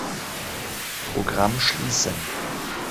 Programm schließen.